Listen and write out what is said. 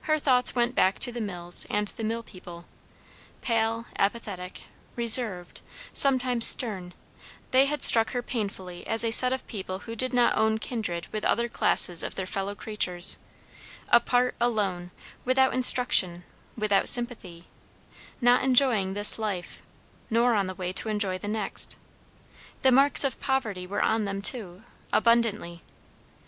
Her thoughts went back to the mills and the mill people; pale, apathetic, reserved, sometimes stern, they had struck her painfully as a set of people who did not own kindred with other classes of their fellow creatures; apart, alone, without instruction, without sympathy; not enjoying this life, nor on the way to enjoy the next. The marks of poverty were on them too, abundantly.